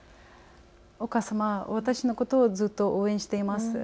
お母様は私のことをずっと応援しています。